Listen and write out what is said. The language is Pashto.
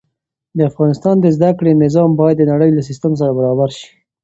د افغانستان د زده کړې نظام باید د نړۍ له سيستم سره برابر شي.